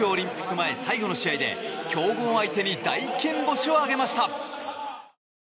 前最後の試合で強豪相手に大金星を挙げました。